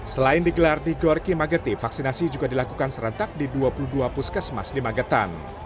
selain digelar di gorki mageti vaksinasi juga dilakukan serentak di dua puluh dua puskesmas di magetan